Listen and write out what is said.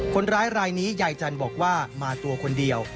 คนร้ายรายนี้ยายจันทร์บอกว่ามาตัวคนเดียว